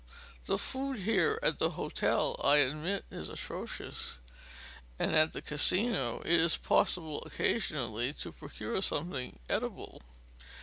The food here at the hotel, I admit, is atrocious, and at the Casino it is possible occasionally to procure something eatable.